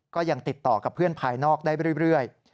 ก็ยังติดต่อกับเพื่อนภายนอกได้เรื่อย